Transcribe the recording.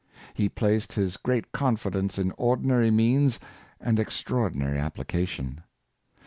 He placed his great con fidence in ordinary means and extraordinary applica tion.